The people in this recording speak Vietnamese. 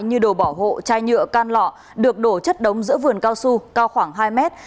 như đồ bảo hộ chai nhựa can lọ được đổ chất đống giữa vườn cao su cao khoảng hai mét